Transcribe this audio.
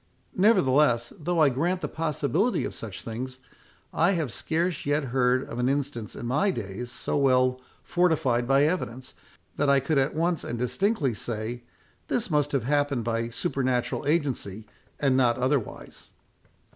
Nevertheless, though I grant the possibility of such things, I have scarce yet heard of an instance in my days so well fortified by evidence, that I could at once and distinctly say, This must have happened by supernatural agency, and not otherwise."